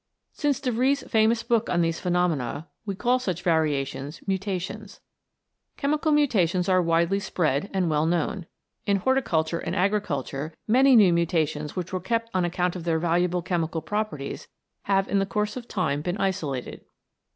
Since De Vries' famous book on these phenomena, we call such variations Mutations. Chemical mutations are widely spread and well known. In horticulture and agriculture many new mutations which were kept on account of their valuable chemical properties have in the course of time been isolated.